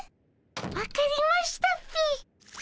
分かりましたっピィ。